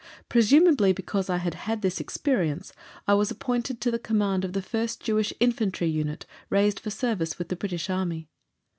Presumably because I had had this experience, I was appointed to the command of the first Jewish Infantry unit raised for service with the British Army.